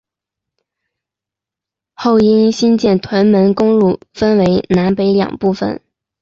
后因兴建屯门公路分为南北两部份。